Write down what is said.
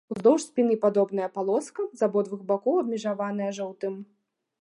Уздоўж спіны падобная палоска, з абодвух бакоў абмежаваная жоўтым.